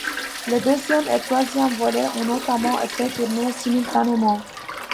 Les deuxièmes et troisièmes volets ont notamment étés tournés simultanément.